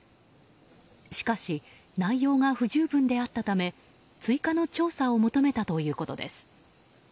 しかし、内容が不十分であったため追加の調査を求めたということです。